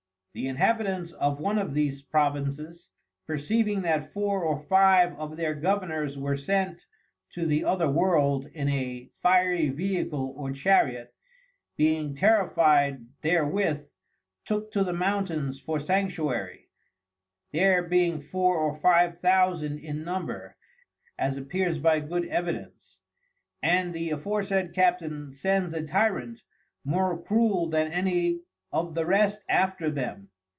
The Inhabitants of one of these Provinces, perceiving that four or five of their Governours were sent to the other World in a fiery Vehicle or Chariot, being terrified therewith, took to the Mountains for Sanctuary, there being four or five thousand in number, as appears by good Evidence; and the aforesaid Captain sends a Tyrant, more cruel than any of the rest after them.